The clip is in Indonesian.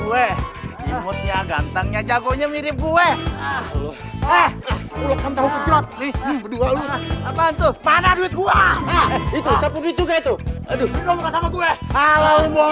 gue imutnya gantengnya jagonya mirip gue ah eh eh eh eh apaan tuh mana duit gua itu itu